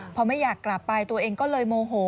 พอไม่อยากกลับไปตัวเองก็เลยโมโห